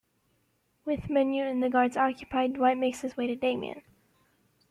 With Manute and the guards occupied, Dwight makes his way to Damien.